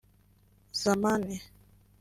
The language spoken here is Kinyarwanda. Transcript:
Zamani